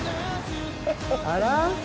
あら？